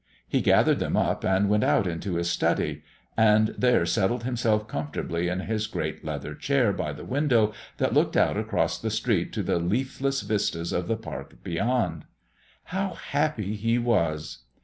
He gathered them up and went out into his study, and there settled himself comfortably in his great leather chair by the window that looked out across the street to the leafless vistas of the park beyond. How happy he was!